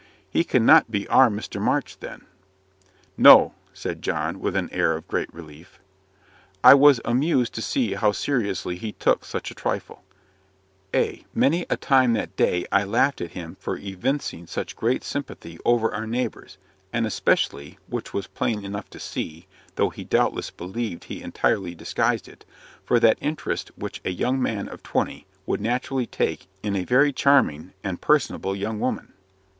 "He cannot be our Mr. March, then." "No," said John, with an air of great relief. I was amused to see how seriously he took such a trifle; ay, many a time that day I laughed at him for evincing such great sympathy over our neighbours, and especially which was plain enough to see, though he doubtless believed he entirely disguised it for that interest which a young man of twenty would naturally take in a very charming and personable young woman.